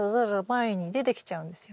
前に出てきちゃうんですよ。